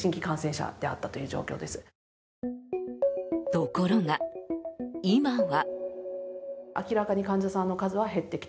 ところが、今は。